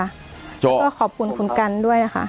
ก็ขอบคุณคุณกันด้วยนะคะ